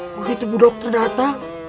begitu bu dokter data